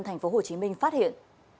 tp hcm phát hiện